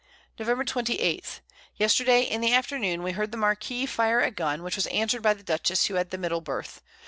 Nov. 28. Yesterday in the Afternoon we heard the Marquiss fire a Gun, which was answer'd by the Dutchess, who had the middle Birth.